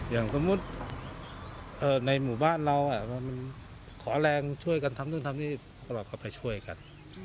อย่างสมมุติในหมู่บ้านเรามันขอแรงช่วยกันทำนู่นทำนี่ตลอดเข้าไปช่วยกัน